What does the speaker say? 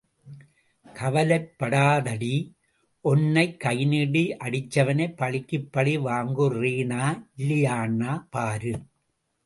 கவலப்படாதடி... ஒன்னைக் கைநீட்டி அடிச்சவனைப் பழிக்குப் பழி வாங்குறேனா இல்லியான்னு பாரு.